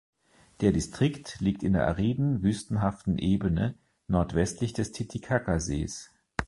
Der Distrikt liegt in der ariden wüstenhaften Ebene nordwestlich des Titicacasees.